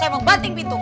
saya mau banting pintu